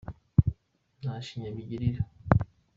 Nta shinya bigirira.